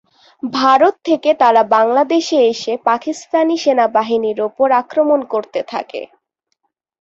ভারত থেকে তারা বাংলাদেশে এসে পাকিস্তানি সেনাবাহিনীর ওপর আক্রমণ করতে থাকে।